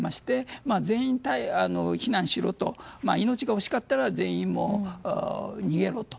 全員避難しろと命が惜しかったら全員逃げろと。